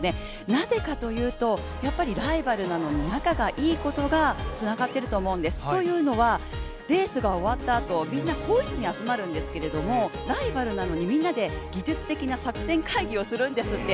なぜかというと、やっぱりライバルなのに仲がいいことがつながっていると思うんですというのは、レースが終わったあと、みんな更衣室に集まるんですけれどもライバルなのにみんなで技術的な作戦会議をするんですって。